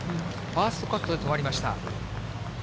ファーストカットで止まりました。